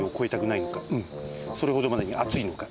それほどまでにあついのか？